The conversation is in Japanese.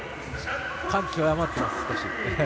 感極まってます、少し。